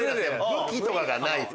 武器とかがない。